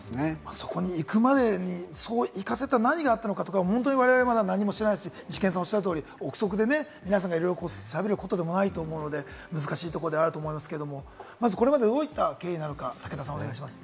そこに行くまでに何があったのか、まだ何も知らないですし、臆測で皆さんがいろいろしゃべることでもないと思うので難しいところではあると思いますけれど、これまでどういった経緯なのかをお願いします。